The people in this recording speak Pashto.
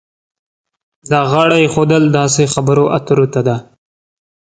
دا غاړه ایښودل داسې خبرو اترو ته ده.